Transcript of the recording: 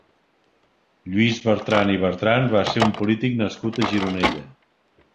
Lluís Bertran i Bertran va ser un polític nascut a Gironella.